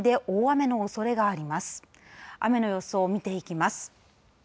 雨の予想を見ていきます。